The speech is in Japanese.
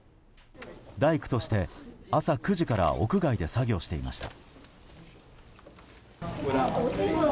大工として朝９時から屋外で作業をしていました。